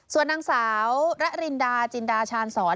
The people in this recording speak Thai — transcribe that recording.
ส่วนนางสาวระรินดาจินดาชาญสอน